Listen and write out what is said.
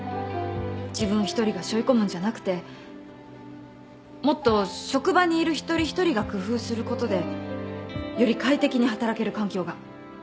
自分一人がしょい込むんじゃなくてもっと職場にいる一人一人が工夫することでより快適に働ける環境が。